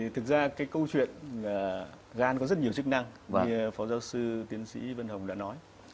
thực ra cái câu chuyện gan có rất nhiều chức năng và như phó giáo sư tiến sĩ vân hồng đã nói